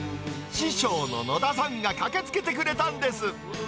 師匠の野田さんが駆けつけてくれたんです。